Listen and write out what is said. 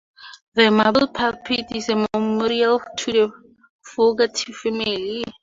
The marble pulpit is a memorial to the Fogarty family.